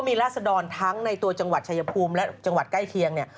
มีราชดอนทั้งในตัวจังหวัดชายยพูมและจังหวัดใกล้เคียง